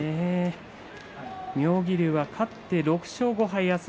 妙義龍は勝って６勝５敗です。